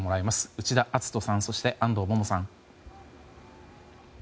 内田篤人さんそして安藤萌々さん。